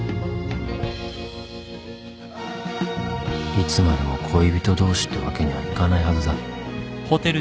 いつまでも恋人同士ってわけにはいかないはずだ